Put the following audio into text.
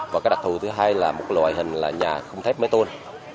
và cái đặc thù thứ hai là một loại hình là nhà không thép máy tôn